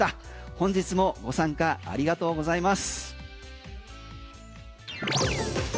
本日もご参加ありがとうございます。